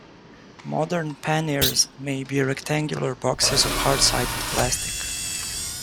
Modern panniers may be rectangular boxes of hard-sided plastic.